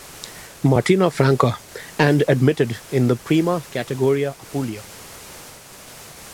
Martina Franca and admitted in the Prima Categoria Apulia.